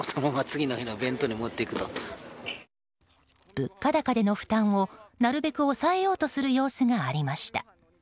物価高での負担を、なるべく抑えようとする様子がありました。